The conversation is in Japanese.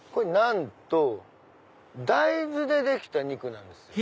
なんと大豆でできた肉なんです。